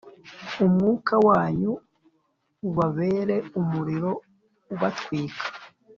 umwuka wanyu ubabere umuriro ubatwika.